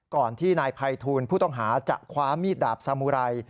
ก่อนที่นายภัยทูลผู้ต้องหาจะคว้ามีดดาบสามุไร